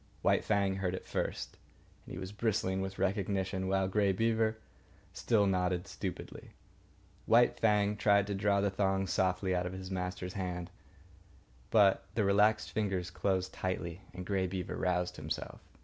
White Fang heard it first, and he was bristling with recognition while Grey Beaver still nodded stupidly. White Fang tried to draw the thong softly out of his master's hand; but the relaxed fingers closed tightly and Grey Beaver roused himself.